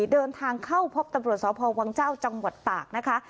เดินทางเข้าพบตำรวจสพวังเจ้าจังหวัดตากนะคะ